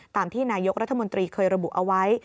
ตามที่นายกรัฐมนตรีเคยระบุเอาไว้